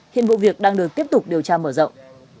hiện vụ việc đang được tiếp tục điều tra mở rộng